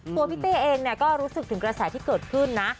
พี่เต้เองก็รู้สึกถึงกระแสที่เกิดขึ้นนะ